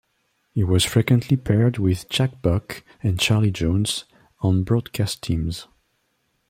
He was frequently paired with Jack Buck and Charlie Jones on broadcast teams.